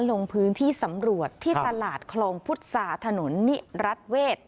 ลงพื้นที่สำรวจที่ตลาดคลองพุทธศาถนนนิรัติเวศ